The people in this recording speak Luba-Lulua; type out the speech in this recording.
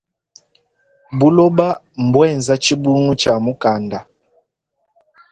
Buloba mbuenza tshibungu tshia mukanda.